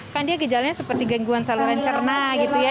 kan dia gejalanya seperti gangguan saluran cerna gitu ya